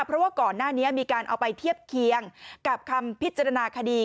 เพราะว่าก่อนหน้านี้มีการเอาไปเทียบเคียงกับคำพิจารณาคดี